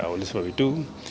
oleh sebab itu